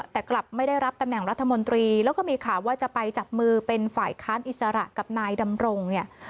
แต่กลับไม่ได้รับตำแหน่งรัฐมนตรีแล้วก็มีข่าวว่าจะไปจับมือเป็นฝ่ายค้านอิสระกับนายดำรงเนี่ย